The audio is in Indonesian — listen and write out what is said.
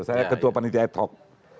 saya ketua panitiai tok